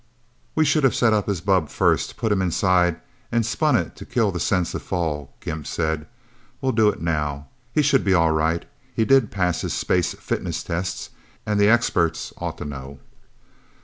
"We should have set up his bubb first, put him inside, and spun it to kill that sense of fall!" Gimp said. "We'll do it, now! He should be all right. He did pass his space fitness tests, and the experts ought to know."